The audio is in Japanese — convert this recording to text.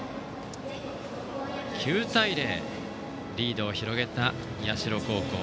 ９対０とリードを広げた社高校。